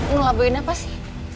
ngelabuin apa sih